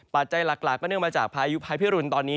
ปัจจัยหลักก็เนื่องมาจากพายุภายพิรุณตอนนี้